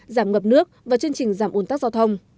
giảm ngập nước và chương trình giảm ồn tắc giao thông